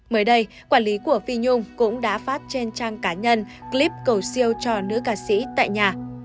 mới đây quản lý của phi nhung cũng đã phát trên trang cá nhân clip cầu siêu cho nữ ca sĩ tại nhà